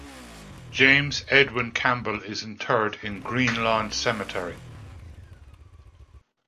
James Edwin Campbell is interred in Green Lawn Cemetery.